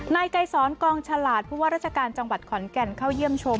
ไกรสอนกองฉลาดผู้ว่าราชการจังหวัดขอนแก่นเข้าเยี่ยมชม